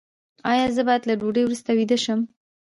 ایا زه باید له ډوډۍ وروسته ویده شم؟